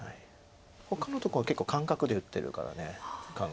ほかのとこは結構感覚で打ってるから。